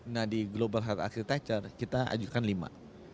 nah di global health arsitektur kita ajukan lima